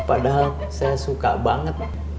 padahal saya suka banget